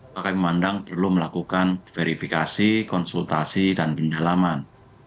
maka kami memandang perlu melakukan verifikasi konsultasi dan pendalaman